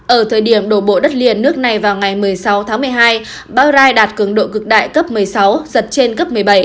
ở thời điểm đổ bộ đất liền nước này vào ngày một mươi sáu tháng một mươi hai bão rai đạt cường độ cực đại cấp một mươi sáu giật trên cấp một mươi bảy